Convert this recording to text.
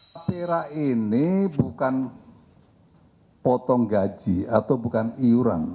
afira ini bukan potong gaji atau bukan iuran